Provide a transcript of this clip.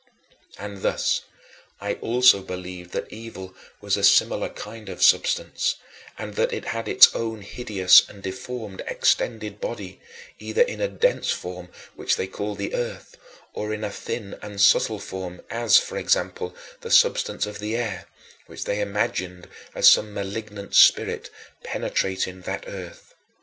20. And thus I also believed that evil was a similar kind of substance, and that it had its own hideous and deformed extended body either in a dense form which they called the earth or in a thin and subtle form as, for example, the substance of the air, which they imagined as some malignant spirit penetrating that earth.